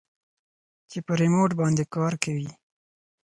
چې په ريموټ باندې کار کوي.